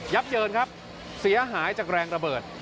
ับเยินครับเสียหายจากแรงระเบิด